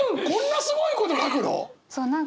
こんなすごいこと書くの？